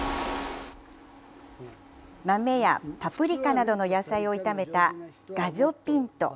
豆やパプリカなどの野菜を炒めたガジョ・ピント。